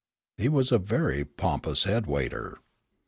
He was a very pompous head waiter.